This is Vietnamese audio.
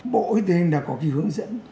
bộ huy tinh đã có cái hướng dẫn